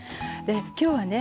きょうはね